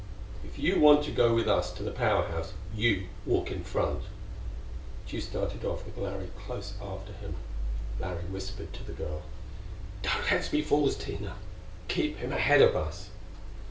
If you want to go with us to the Power House, you walk in front." Tugh started off with Larry close after him. Larry whispered to the girl: "Don't let's be fools, Tina. Keep him ahead of us."